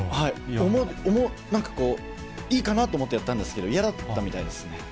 なんかこう、いいかなと思ってやったんですけど、嫌だったみたいですね。